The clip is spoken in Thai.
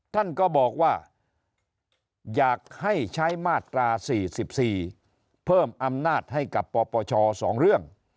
ท่านก็บอกว่าอยากให้ใช้มาตรา๔๔เพิ่มอำนาจให้กับปปช๒เรื่อง